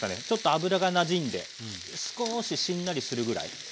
ちょっと油がなじんで少ししんなりするぐらい。